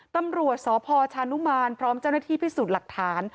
ตำรวจสพชานุมานพร้อมเจ้าหน้าที่พิสูจน์หลักฐาน